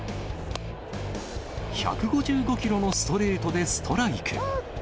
１５５キロのストレートでストライク。